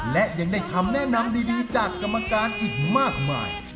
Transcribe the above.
และยังได้คำแนะนำดีจากกรรมการอีกมากมาย